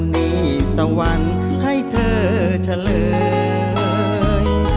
มีสวรรค์ให้เธอเฉลย